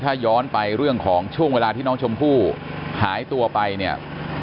ถ้าย้อนไปเรื่องของช่วงเวลาที่น้องชมพู่หายตัวไปเนี่ย